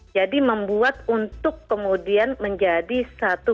jadi membuat untuk kemudian menjadi satu